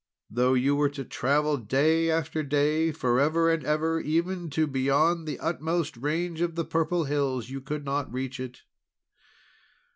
Though you were to travel day after day, forever and ever, even to beyond the utmost range of the purple hills, you could not reach it!"